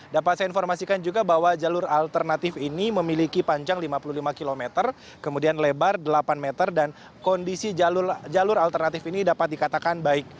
dapat saya informasikan juga bahwa jalur alternatif ini memiliki panjang lima puluh lima km kemudian lebar delapan meter dan kondisi jalur alternatif ini dapat dikatakan baik